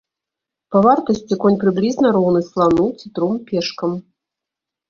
Па вартасці конь прыблізна роўны слану ці тром пешкам.